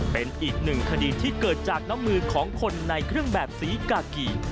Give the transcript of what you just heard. เป็นอีกหนึ่งคดีที่เกิดจากน้ำมือของคนในเครื่องแบบสีกากี